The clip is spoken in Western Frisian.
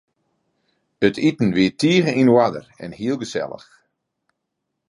It iten wie tige yn oarder en hiel gesellich.